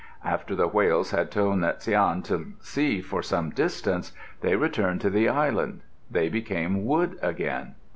After the whales had towed Natsiane to sea for some distance, they returned to the island. They became wood again.